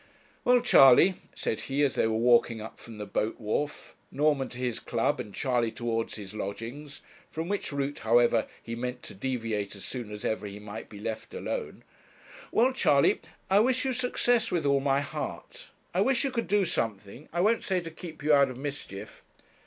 'Well, Charley,' said he, as they were walking up from the boat wharf Norman to his club, and Charley towards his lodgings from which route, however, he meant to deviate as soon as ever he might be left alone 'well, Charley, I wish you success with all my heart; I wish you could do something I won't say to keep you out of mischief.'